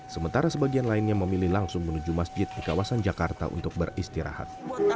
sementara sebagian lainnya memilih langsung menuju masjid di kawasan jakarta untuk beristirahat